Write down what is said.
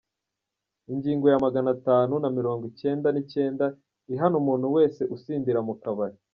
Ingingo ya magana atanu namirongo ikenda nikenda ihana umuntu wese usindira mu kabari